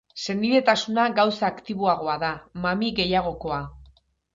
Senidetasuna gauza aktiboagoa da, mami gehiagokoa.